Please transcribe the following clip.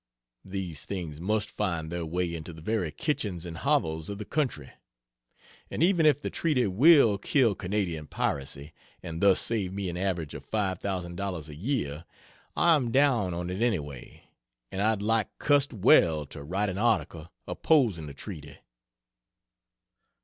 These things must find their way into the very kitchens and hovels of the country..... And even if the treaty will kill Canadian piracy, and thus save me an average of $5,000 a year, I am down on it anyway, and I'd like cussed well to write an article opposing the treaty."